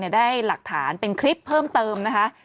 ได้หลักฐานเป็นคลิปเพิ่มเติมนะคะ